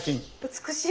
美しい！